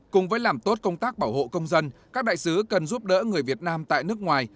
cùng với làm tốt công tác bảo hộ công dân các đại sứ cần giúp đỡ người việt nam tại nước ngoài